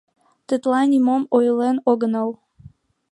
Тетла нимом ойлен огынал.